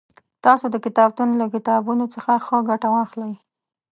تاسو د کتابتون له کتابونو څخه ښه ګټه واخلئ